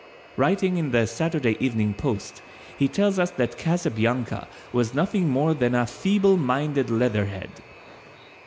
Writing in the Saturday Evening Post, he tells us that Casabianca was nothing more than a "feeble minded leatherhead."